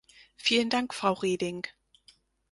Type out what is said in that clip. Vielen Dank, Frau Reding.